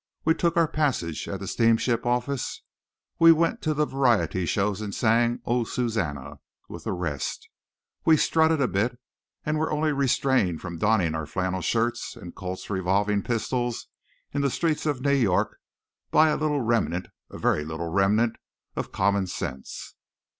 We took our passage at the steamship office; we went to the variety shows and sang Oh, Susannah! with the rest; we strutted a bit, and were only restrained from donning our flannel shirts and Colt's revolving pistols in the streets of New York by a little remnant, a very little remnant, of common sense.